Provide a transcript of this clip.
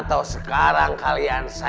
atau sekarang kalian shift